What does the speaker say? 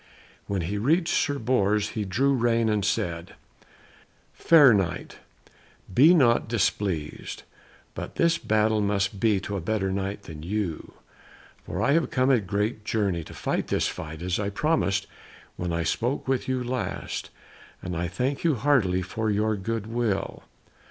When he reached Sir Bors he drew rein and said, "Fair Knight, be not displeased, but this battle must be to a better Knight than you. For I have come a great journey to fight this fight, as I promised when I spoke with you last, and I thank you heartily for your goodwill."